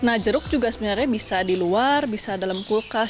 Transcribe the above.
nah jeruk juga sebenarnya bisa di luar bisa dalam kulkas